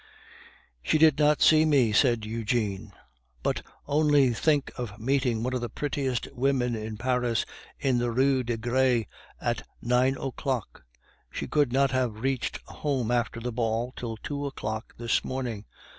"She did not see me," said Eugene. "But only think of meeting one of the prettiest women in Paris in the Rue des Gres at nine o'clock! She could not have reached home after the ball till two o'clock this morning.